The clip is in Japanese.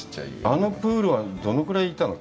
あのプールは、どのくらいいたの？